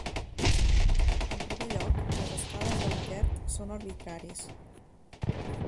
En primer lloc, les escales de Likert són arbitraris.